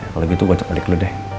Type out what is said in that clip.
kalau gitu gue cek balik dulu deh